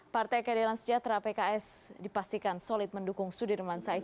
partai keadilan sejahtera pks dipastikan solid mendukung sudirman said